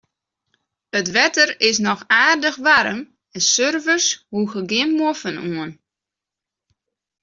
It wetter is noch aardich waarm en surfers hoege gjin moffen oan.